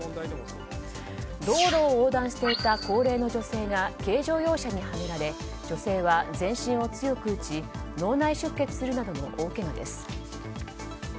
道路を横断していた高齢の女性が軽乗用車にはねられ女性は全身を強く打ち脳内出血するなどの大けがです。